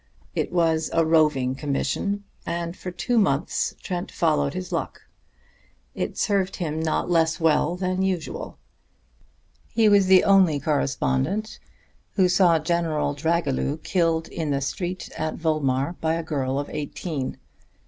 It was a roving commission, and for two months Trent followed his luck. It served him not less well than usual. He was the only correspondent who saw General Dragilew killed in the street at Volmar by a girl of eighteen.